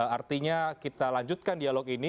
artinya kita lanjutkan dialog ini